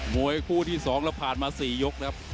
มวยคู่ที่๒เราผ่านมา๔ยกนะครับ